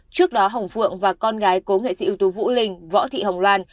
trước đó hồng phượng và con gái cố nghệ sĩ ưu tú vũ linh võ thị hồng loan